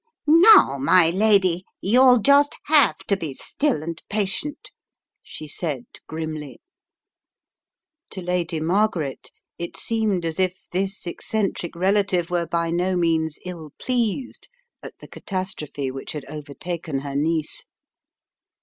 "Now, my lady, you'll just have to be still and patient," she said grimly. To Lady Margaret it seemed as if this eccentric relative were by no means ill pleased at the catastrophe which had overtaken her niece.